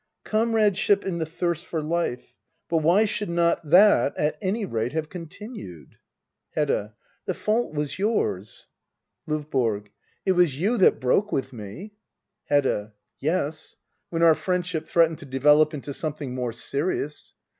Comradeship in the thirst for life. But why should not that, at any rate, have continued ? Hedda . The fault was yours. Digitized by Google ACT II.] HEDDA OABLBR. 101 LdVBORO. It was jou that broke with me. Hedda. Yes, when our friendship threatened to develop into something more serious.